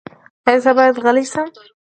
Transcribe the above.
ایا زه باید غلی شم؟